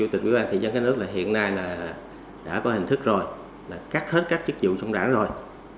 ubnd thị trấn cái nước hiện nay đã có hình thức rồi cắt hết các chức dụng trong đảng rồi